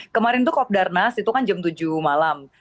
kemarin itu kopdarnas itu kan jam tujuh malam